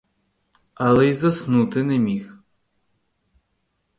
Але й заснути не міг.